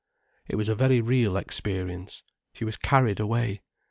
It was a very real experience. She was carried away.